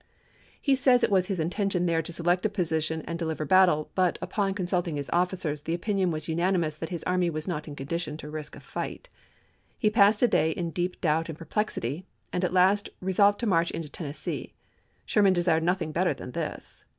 He says it was his intention there to select a position and deliver battle, but, upon con sulting his officers, the opinion was unanimous that his army was not in condition to risk a fight. He passed a day in deep doubt and perplexity, and at last resolved to march into Tennessee. Sherman desired nothing better than this.